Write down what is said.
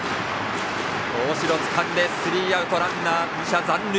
大城がつかんでスリーアウトランナーは２者残塁。